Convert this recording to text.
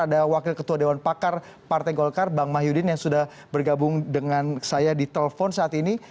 ada wakil ketua dewan pakar partai golkar bang mahyudin yang sudah bergabung dengan saya di telepon saat ini